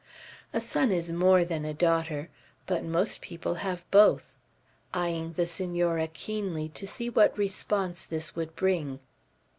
"A son is more than a daughter; but most people have both," eying the Senora keenly, to see what response this would bring.